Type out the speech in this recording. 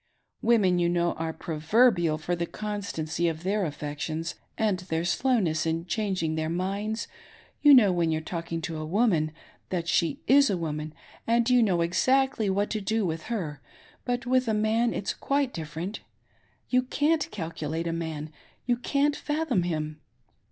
Women, you know, are pro verbial for the constancy of their affections and their slowness in Changing their minds — you kno* when you're talking to a woman that she is a woman, and you know exactly what to do with her ; but with a man it's quite different. You can't calr culate a man — ^you can't fathom him.